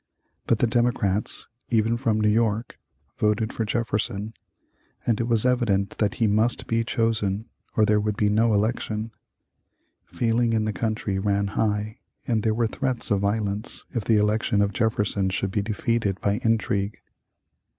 But the Democrats, even from New York, voted for Jefferson, and it was evident that he must be chosen or there would be no election. Feeling in the country ran high, and there were threats of violence if the election of Jefferson should be defeated by intrigue.